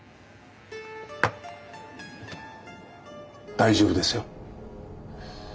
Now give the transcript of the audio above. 大丈夫ですよ。